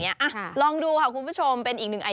พี่ทศพรบอกว่าเดือนนึงนี้นะ